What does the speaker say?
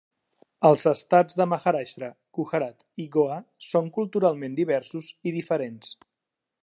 Els estats de Maharashtra, Gujarat i Goa són culturalment diversos i diferents.